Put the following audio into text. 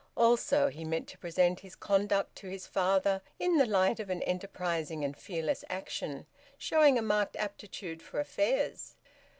Also, he meant to present his conduct to his father in the light of an enterprising and fearless action showing a marked aptitude for affairs.